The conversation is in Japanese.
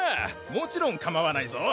もちろんかまわないぞ。